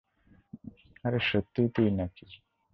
আরে সত্যিই তুই না কি?